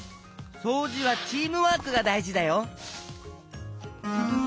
そうじはチームワークがだいじだよ。